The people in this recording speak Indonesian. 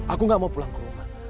aku gak mau pulang ke rumah